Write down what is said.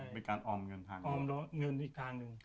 เป็นการออมเงินทางหนึ่ง